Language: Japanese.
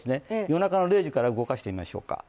夜中の０時から動かしてみましょうか。